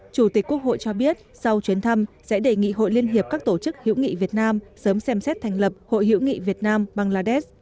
chủ tịch quốc hội cho biết sau chuyến thăm sẽ đề nghị hội liên hiệp các tổ chức hữu nghị việt nam sớm xem xét thành lập hội hữu nghị việt nam bangladesh